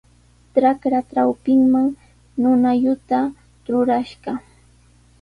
Trakra trawpinman nunaylluta trurashqa.